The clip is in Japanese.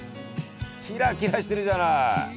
キラキラしてるじゃない。